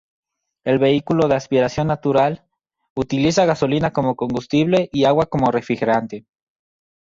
El vehículo, de aspiración natural, utilizaba gasolina como combustible y agua como refrigerante.